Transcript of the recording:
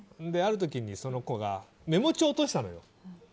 ある時にその子がメモ帳を落としたんだよ。